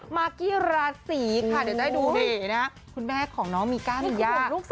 มากกี้ราศีค่ะเดี๋ยวจะให้ดูนี่นะคุณแม่ของน้องมีก้ามียา